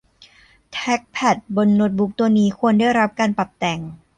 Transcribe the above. แทรคแพดบนโน้ตบุ๊คตัวนี้ควรได้รับการปรับแต่ง